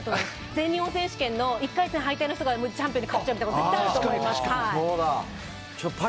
全日本選手権１回戦の人がチャンピオンに勝っちゃうとかもあると思います。